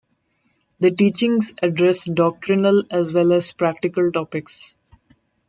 The teachings address doctrinal as well as practical topics.